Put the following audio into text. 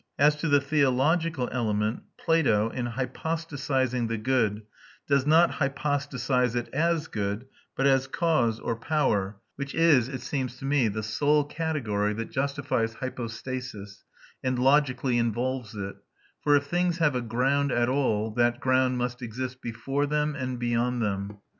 As to the theological element, Plato, in hypostasising the good, does not hypostasise it as good, but as cause or power, which is, it seems to me, the sole category that justifies hypostasis, and logically involves it; for if things have a ground at all, that ground must exist before them and beyond them.